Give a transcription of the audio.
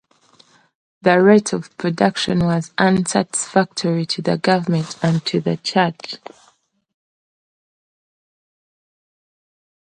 This rate of production was unsatisfactory to the Government and to the Church.